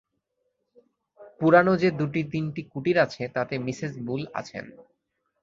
পুরানো যে দু-তিনটি কুটীর আছে, তাতে মিসেস বুল আছেন।